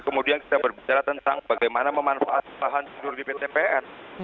kemudian kita berbicara tentang bagaimana memanfaatkan lahan tidur di pt pn